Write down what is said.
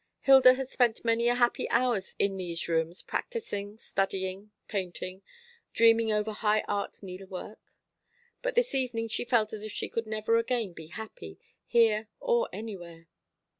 Hilda had spent many a happy hour in these rooms, practising, studying, painting, dreaming over high art needlework. But this evening she felt as if she could never again be happy, here or anywhere.